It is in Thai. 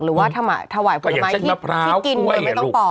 หรือว่าถวายผลไม้ที่กินแต่ไม่ต้องปอก